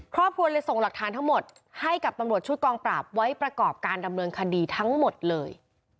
ครอบครัวเลยส่งหลักฐานทั้งหมดให้กับตำรวจชุดกองปราบไว้ประกอบการดำเนินคดีทั้งหมดเลย